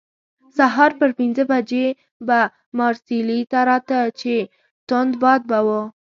سهار پر پنځه بجې به مارسیلي ته راته، چې توند باد به وو.